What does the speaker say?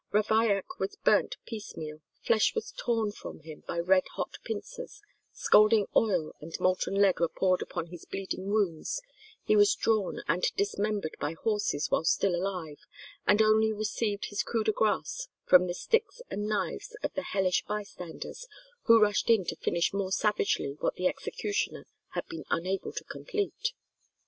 Ravaillac was burnt piecemeal, flesh was torn from him by red hot pincers, scalding oil and molten lead were poured upon his bleeding wounds, he was drawn and dismembered by horses while still alive, and only received his coup de grace from the sticks and knives of the hellish bystanders, who rushed in to finish more savagely what the executioner had been unable to complete.